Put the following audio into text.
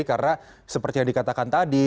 karena seperti yang dikatakan tadi